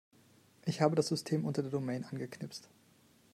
Ich habe das System unter der Domain angeknipst.